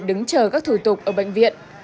đứng chờ các thủ tục ở bệnh viện